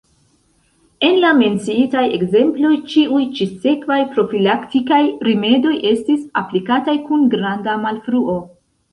En la menciitaj ekzemploj ĉiuj ĉi-sekvaj profilaktikaj rimedoj estis aplikataj kun granda malfruo.